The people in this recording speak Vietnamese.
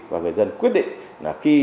và người dân quyết định là khi